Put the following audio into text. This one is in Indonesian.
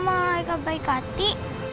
om mereka baik hati